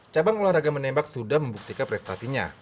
cabang olahraga menembak sudah membuktikan prestasinya